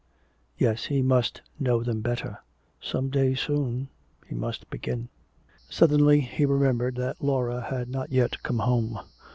Yes, he must know them better. Some day soon he must begin. Suddenly he remembered that Laura had not yet come home.